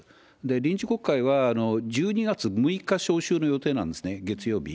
臨時国会は１２月６日召集の予定なんですね、月曜日。